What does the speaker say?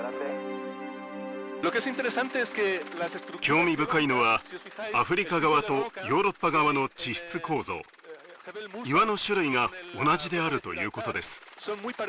興味深いのはアフリカ側とヨーロッパ側の地質構造岩の種類が同じであるということです。